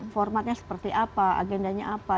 formatnya seperti apa agendanya apa